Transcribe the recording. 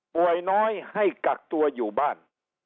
น้อยให้กักตัวอยู่บ้าน